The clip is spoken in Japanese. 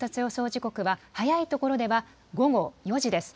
時刻は早いところでは午後４時です。